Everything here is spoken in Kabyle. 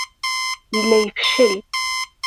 Yella yefcel.